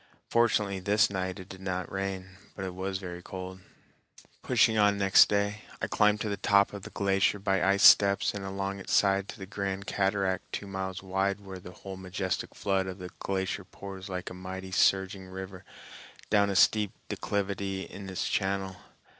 Fortunately this night it did not rain, but it was very cold. Pushing on next day, I climbed to the top of the glacier by ice steps and along its side to the grand cataract two miles wide where the whole majestic flood of the glacier pours like a mighty surging river down a steep declivity in its channel.